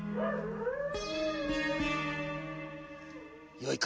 よいか。